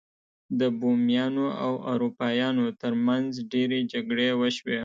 د بومیانو او اروپایانو ترمنځ ډیرې جګړې وشوې.